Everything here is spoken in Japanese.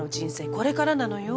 これからなのよ